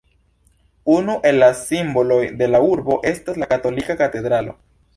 Unu el la simboloj de la urbo estas la katolika katedralo.